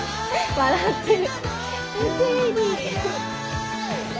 笑ってる。